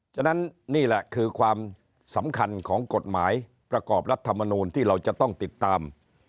ฉะนั้นนี่แหละคือความสำคัญของกฎหมายประกอบรัฐมนูลที่เราจะต้องติดตาม